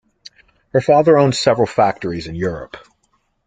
Her father owned several factories in Europe.